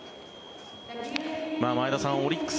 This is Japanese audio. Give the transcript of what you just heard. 前田さん、オリックス